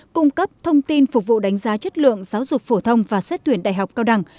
cung cấp thông tin phục vụ đánh giá chất lượng giáo dục phổ thông và xét tuyển đại học cao đẳng